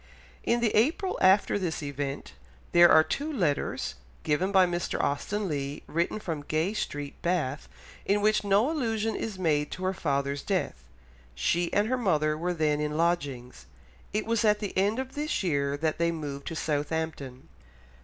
In the April after this event there are two letters, given by Mr. Austen Leigh, written from Gay Street, Bath, in which no allusion is made to her father's death. She and her mother were then in lodgings. It was at the end of this year that they moved to Southampton.